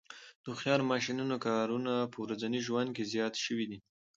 د هوښیار ماشینونو کارونه په ورځني ژوند کې زیات شوي دي.